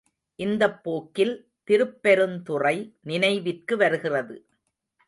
இந்தப் போக்கில் திருப்பெருந்துறை நினைவிற்கு வருகிறது.